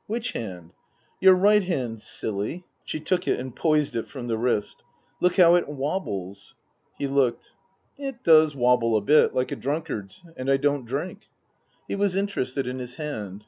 " Which hand ?"" Your right hand, silly." She took it and poised it from the wrist. " Look how it wobbles." He looked. " It does wobble a bit. Like a drunkard's. And I don't drink." He was interested in his hand.